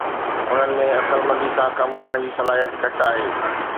انهن ۾ عقلمندي سان ڪم ڪرڻ جي صلاحيت گهٽ آهي